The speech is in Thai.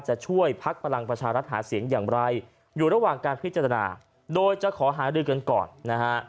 จะช่วยพักพลังประชารัฐหาเสียงอย่างไรอยู่ระหว่างการพิจารณาโดยจะขอหารือกันก่อนนะฮะ